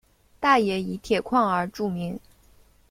大冶以铁矿而着名。